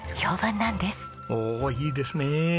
おおいいですねえ。